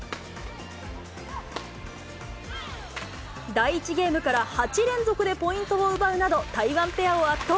第１ゲームから８連続でポイントを奪うなど、台湾ペアを圧倒。